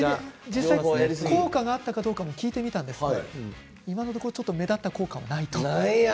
実際に効果があったかどうか聞いてみたら今のところ目立った効果がない。